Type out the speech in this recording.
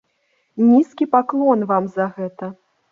Нізкі паклон вам за гэта.